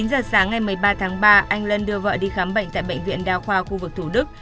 chín giờ sáng ngày một mươi ba tháng ba anh lân đưa vợ đi khám bệnh tại bệnh viện đa khoa khu vực thủ đức